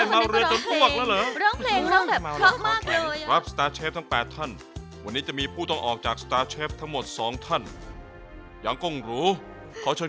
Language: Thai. เฮ้ยพวกเราเที่ยวกันจนเหนื่อยเลย